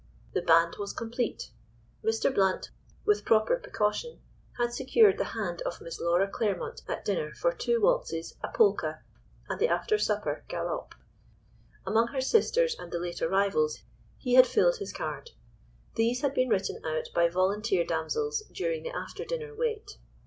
The band was complete. Mr. Blount, with proper precaution, had secured the hand of Miss Laura Claremont at dinner, for two waltzes, a polka, and the after supper galop; among her sisters and the late arrivals he had filled his card. These had been written out by volunteer damsels during the after dinner wait.